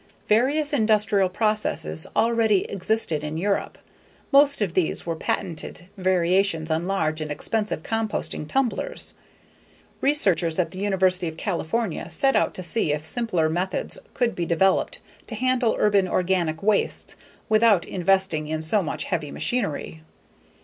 Various industrial processes already existed in Europe; most of these were patented variations on large and expensive composting tumblers. Researchers at the University of California set out to see if simpler methods could be developed to handle urban organic wastes without investing in so much heavy machinery.